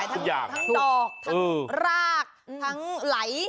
ทั้งดอกทั้งรากทั้งไหล